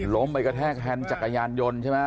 ล้มไปกระแทกแฮนด์จักรยานยนต์ใช่ไหม